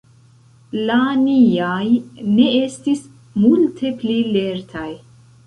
La niaj ne estis multe pli lertaj.